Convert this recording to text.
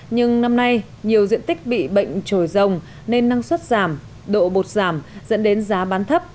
nhưng năm nay nhiều diện tích bị bệnh trồi rồng nên năng suất giảm độ bột giảm dẫn đến giá bán thấp